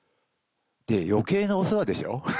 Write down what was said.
余計なお世話でしょ。